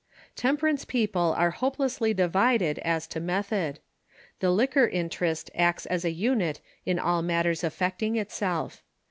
Temperance people are hopelessly divided aa to method ; the liquor interest acts as a unit in all matters affecting itself.